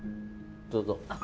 どうぞ。